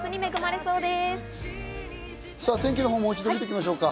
天気をもう一度見ていきましょうか。